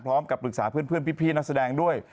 พร้อมกับปรึกษาเพื่อนพี่นักแสดงด้วย